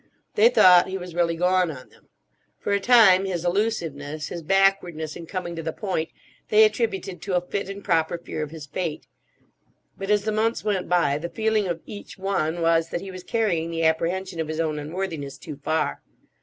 They thought he was really gone on them. For a time his elusiveness, his backwardness in coming to the point, they attributed to a fit and proper fear of his fate; but as the months went by the feeling of each one was that he was carrying the apprehension of his own unworthiness too far.